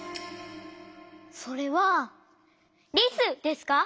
それはリスですか？